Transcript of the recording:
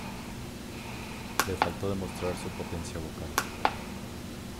Le faltó demostrar su potencia vocal.